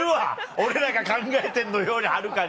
俺らが考えてんのよりはるかに！